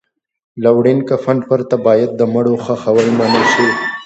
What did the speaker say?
له وړین کفن پرته باید د مړو خښول منع شي.